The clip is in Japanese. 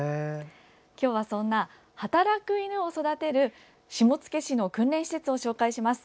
今日はそんな働く犬を育てる下野市の訓練施設を紹介します。